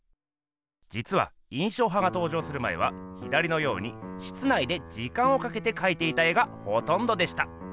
じつは印象派が登場する前は左のように室内で時間をかけてかいていた絵がほとんどでした。